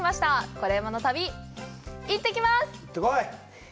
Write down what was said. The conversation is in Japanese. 「コレうまの旅」、行ってきます。